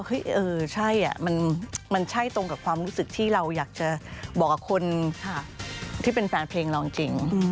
เออใช่มันใช่ตรงกับความรู้สึกที่เราอยากจะบอกกับคนที่เป็นแฟนเพลงเราเก่ง